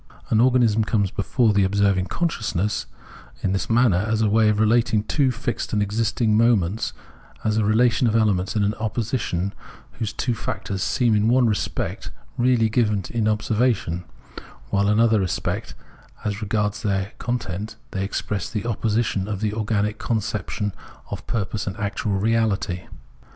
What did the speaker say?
An organism comes before the observing consciousness Observation of Organic Nature 255 in this maimer as a way of relating two fixed and exist ing moments — as a relation of elements in an opposi tion, wtose two factors seem in one respect really given in observation, while in another respect, as regards their content, they express the opposition of the organic concept of purpose and actual reahty.